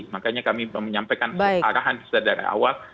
makanya kami menyampaikan arahan bisa dari awal